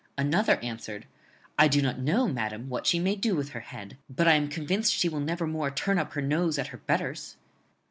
Another answered, 'I do not know, madam, what she may do with her head, but I am convinced she will never more turn up her nose at her betters.